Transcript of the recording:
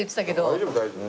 大丈夫大丈夫。